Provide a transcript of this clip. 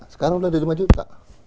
sekarang sudah ada lima juta